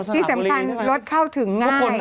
ที่สำคัญรถเข้าถึงง่าย